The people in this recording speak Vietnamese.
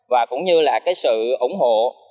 và cũng như là cái sự ủng hộ